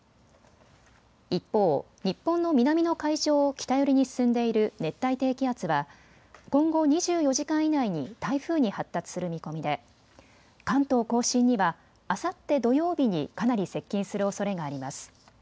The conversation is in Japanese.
一方、日本の南の海上を北寄りに進んでいる熱帯低気圧は今後２４時間以内に台風に発達する見込みで関東甲信にはあさって土曜日にかなり接近するおそれがあります。